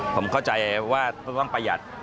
ผมเข้าใจว่าต้องประหยัด